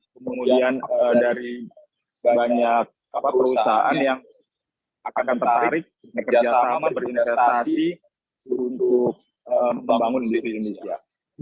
kemudian dari banyak perusahaan yang akan tertarik kerjasama berinvestasi untuk membangun indonesia